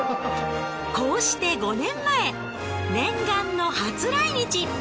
こうして５年前念願の初来日。